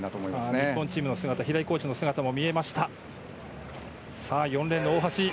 日本チームの平井コーチの姿も見えました。